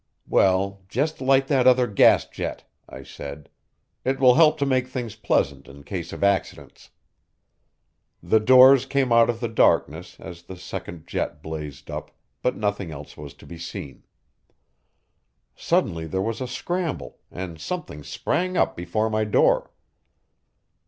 "Well, just light that other gas jet," I said. "It will help to make things pleasant in case of accidents." The doors came out of the darkness as the second jet blazed up, but nothing else was to be seen. Suddenly there was a scramble, and something sprang up before my door.